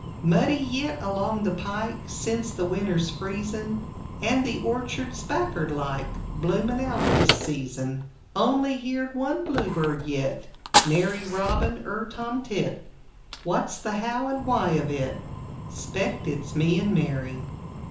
Muddy yit along the pike Sense the winter's freezin' And the orchard's backard like Bloomin' out this season; Only heerd one bluebird yit Nary robin er tomtit; What's the how and why of it? S'pect its "Me and Mary!"